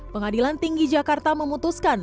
pengadilan tinggi jakarta memutuskan